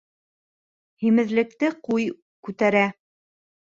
Һимеҙлекте ҡуй күтәрә.